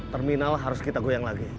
terminal harus kita goyang lagi